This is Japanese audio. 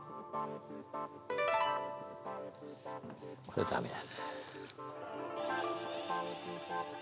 これダメだな。